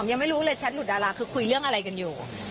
ยังไม่รู้เลยแชทหลุดดาราคือคุยเรื่องอะไรกันอยู่